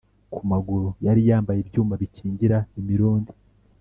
Ku maguru yari yambaye ibyuma bikingira imirundi